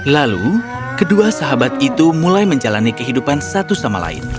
lalu kedua sahabat itu mulai menjalani kehidupan satu sama lain